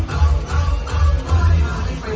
ยืนบ้ายืนบ้า